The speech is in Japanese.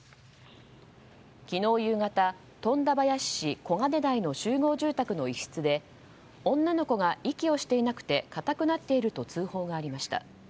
昨日夕方、富田林市小金台の集合住宅の一室で女の子が息をしていなくてかたくなっていると通報がありました。